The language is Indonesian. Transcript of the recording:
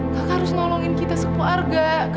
kakak harus nolongin kita sekeluarga